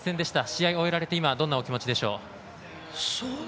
試合を終えられて今どんなお気持ちでしょう。